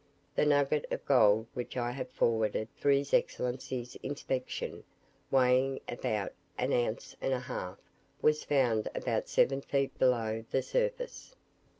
"The nugget of gold which I have forwarded for his Excellency's inspection, weighing about an ounce and a half, was found about seven feet below the surface.